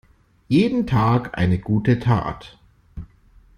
Jeden Tag eine gute Tat.